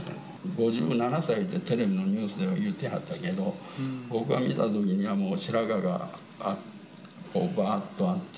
５７歳って、テレビのニュースでは言ってはったけど、僕が見たときには、もう白髪がばーっとあって。